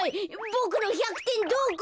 ボクの１００てんどこ？